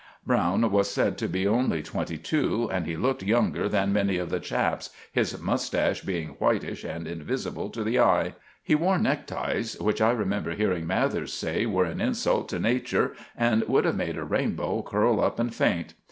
Browne was said to be only twenty two, and he looked younger than many of the chaps, his moustashe being whitish and invisibel to the eye. He wore necktyes which I remember hearing Mathers say were an insult to nature, and would have made a rainbow curl up and faint.